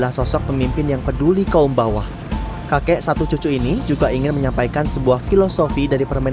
aksi penuh semangat dan perjuangan yudi karyono ini mendapat apresiasi warga di surabaya